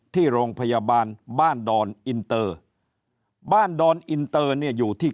ที่โรงพยาบาลบ้านดอนอินเตอร์บ้านดอนอินเตอร์เนี่ยอยู่ที่